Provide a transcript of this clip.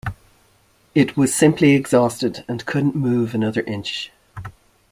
It was simply exhausted and couldn't move another inch.